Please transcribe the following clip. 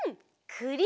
くり！